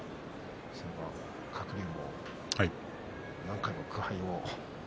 鶴竜も何回も苦杯を。